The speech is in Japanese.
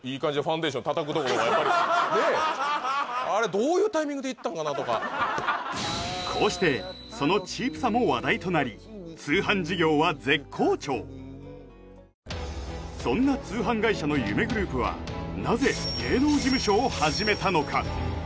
やっぱりねえあれどういうタイミングでいったんかなとかこうしてそのチープさも話題となりそんな通販会社の夢グループはなぜ芸能事務所を始めたのか？